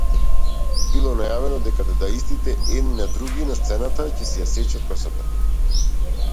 Било најавено дека дадаистите едни на други, на сцена, ќе си ја сечат косата.